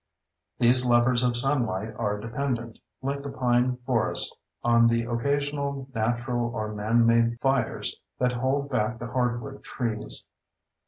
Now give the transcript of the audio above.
These lovers of sunlight are dependent, like the pine forest, on the occasional natural or manmade fires that hold back the hardwood trees.